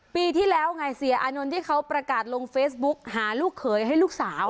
ปีที่แล้วไงเสียอานนท์ที่เขาประกาศลงเฟซบุ๊กหาลูกเขยให้ลูกสาว